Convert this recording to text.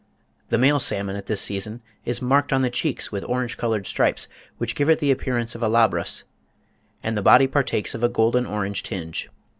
The male salmon at this season is "marked on the cheeks with orange coloured stripes, which give it the appearance of a Labrus, and the body partakes of a golden orange tinge.